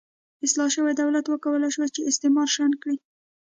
اصلاح شوي دولت وکولای شول چې استعمار شنډ کړي.